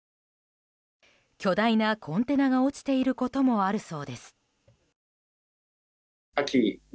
巨大なコンテナが落ちていることもあるそうです。